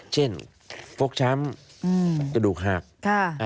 เช่นฟกช้ำกระดูกหาก